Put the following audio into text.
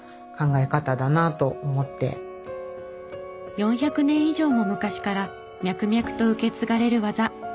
４００年以上も昔から脈々と受け継がれる技。